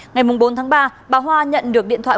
ngày bốn tháng ba bà hoa nhận được điện thoại